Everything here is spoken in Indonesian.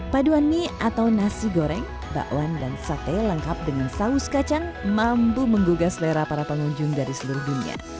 paduan mie atau nasi goreng bakwan dan sate lengkap dengan saus kacang mampu menggugah selera para pengunjung dari seluruh dunia